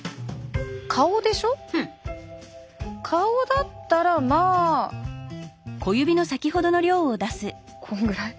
顔だったらまあこんぐらい？